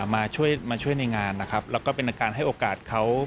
มาช่วยมาช่วยในงานนะครับแล้วก็เป็นอาการให้โอกาสเขา